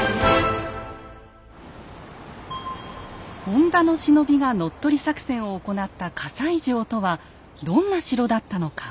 本田の忍びが乗っ取り作戦を行った西城とはどんな城だったのか。